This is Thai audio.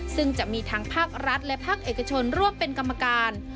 ซึ่งจะมีทั้งภาครัฐและภาคเอกชนร่วมเป็นกรรมการ